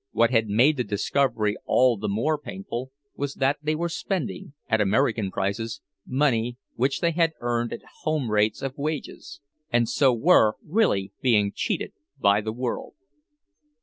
What had made the discovery all the more painful was that they were spending, at American prices, money which they had earned at home rates of wages—and so were really being cheated by the world!